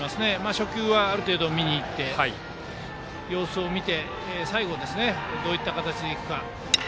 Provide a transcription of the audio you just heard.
初球はある程度見に行って、様子を見て最後、どういった形でいくか。